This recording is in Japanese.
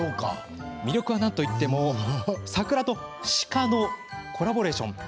魅力は、なんといっても桜と鹿のコラボレーション。